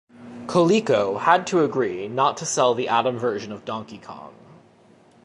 Coleco had to agree not to sell the Adam version of "Donkey Kong".